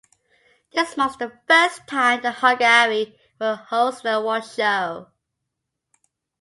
This marks the first time that Hungary will host the awards show.